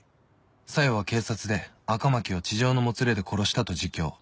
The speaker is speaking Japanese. ［小夜は警察で赤巻を痴情のもつれで殺したと自供］